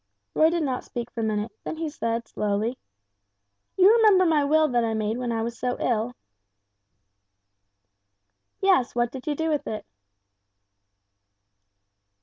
Roy did not speak for a minute, then he said, slowly, "You remember my will that I made when I was so ill?" "Yes, what did you do with it?"